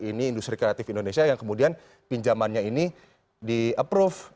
ini industri kreatif indonesia yang kemudian pinjamannya ini di approve